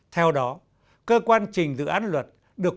theo đó cơ quan trình dự án luật được quyền bảo vệ quan điểm của quốc hội